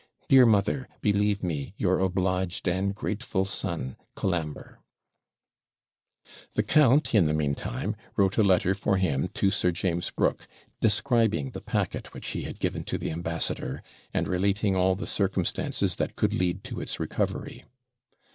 Dear mother, believe me, your obliged and grateful son, COLAMBRE. The count, in the meantime, wrote a letter for him to Sir James Brooke, describing the packet which he had given to the ambassador, and relating all the circumstances that could lead to its recovery.